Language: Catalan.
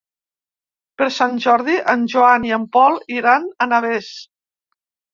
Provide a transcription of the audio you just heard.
Per Sant Jordi en Joan i en Pol iran a Navès.